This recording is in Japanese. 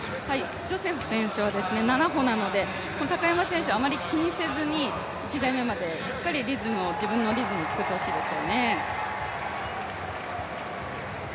ジョセフ選手は７歩なので、高山選手はあまり気にせずに１台目まで自分のリズムを作ってほしいですよね。